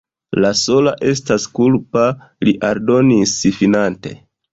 Li sola estas kulpa, li aldonis finante.